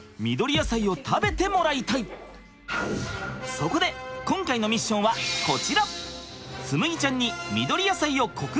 そこで今回のミッションはこちら！